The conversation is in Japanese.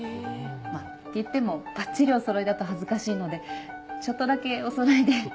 まぁっていってもバッチリおそろいだと恥ずかしいのでちょっとだけおそろいで。